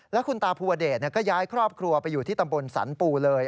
แล้วคุณตาภูวเดชก็ย้ายครอบครัวไปอยู่ที่ตำบลสรรปูเลย